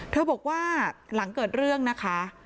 บอกว่าหลังเกิดเรื่องนะคะ